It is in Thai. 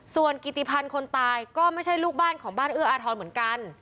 ส่วนกิติพันธ์คนตายก็ไม่ใช่ลูกบ้านของบ้านเอื้ออาทรเหมือนกัน